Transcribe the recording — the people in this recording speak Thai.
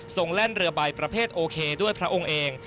แล่นเรือใบประเภทโอเคด้วยพระองค์เอง